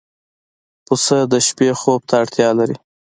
پسه د شپې خوب ته اړتیا لري.